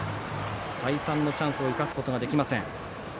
再三のチャンスを生かすことができません。